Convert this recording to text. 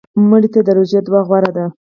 مړه ته د روژې دعا غوره ده